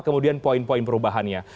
kemudian poin poin perubahannya